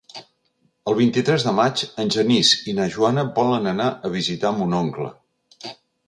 El vint-i-tres de maig en Genís i na Joana volen anar a visitar mon oncle.